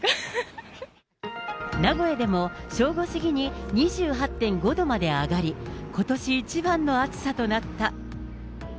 名古屋でも、正午過ぎに２８．５度まで上がり、ことし一番の暑さとなった。